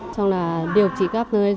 xong là điều trị gấp nơi rồi